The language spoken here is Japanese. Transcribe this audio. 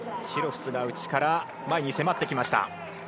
シロフスが内から前に迫ってきました。